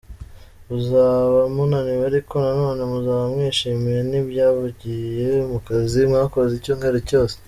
Muzaba munaniwe ariko nanone muzaba mwishimiye n’ibyavuye mu kazi mwakoze icyumweru cyose.